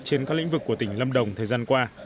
trên các lĩnh vực của tỉnh lâm đồng thời gian qua